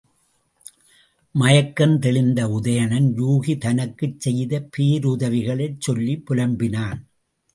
மயக்கம் தெளிந்த உதயணன், யூகி தனக்குச் செய்த பேருதவிகளைச் சொல்லிப் புலம்பினான்.